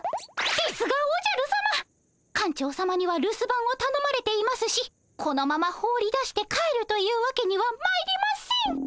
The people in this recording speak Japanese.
ですがおじゃるさま館長さまにはるす番をたのまれていますしこのまま放り出して帰るというわけにはまいりません！